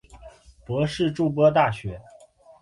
博士筑波大学。